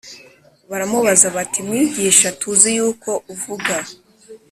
Baramubaza bati Mwigisha tuzi yuko uvuga